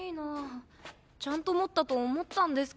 ちゃんと持ったと思ったんですけど。